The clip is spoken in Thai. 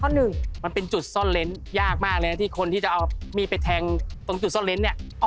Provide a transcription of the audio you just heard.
ตรงจุดซ่อนเลนส์ยากมากเลยนะที่คนที่จะเอามีไปแทงตรงจุดซ่อนเลนส์เนี่ย